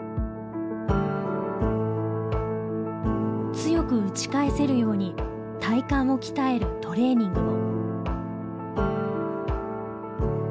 強く打ち返せるように体幹を鍛えるトレーニングも。